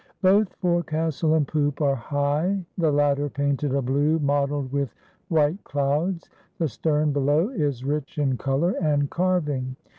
Both forecastle and poop are high, the latter painted a blue mottled with white clouds. The stern below is rich in color and carving.